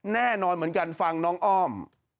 แน่นอนเหมือนกันฟังน้องอ้อม